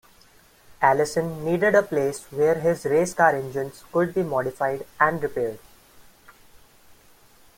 Allison needed a place where his race car engines could be modified and repaired.